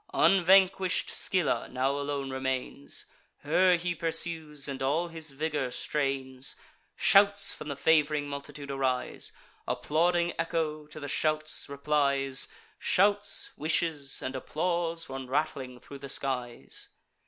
Unvanquish'd Scylla now alone remains; Her he pursues, and all his vigour strains. Shouts from the fav'ring multitude arise; Applauding Echo to the shouts replies; Shouts, wishes, and applause run rattling thro' the skies.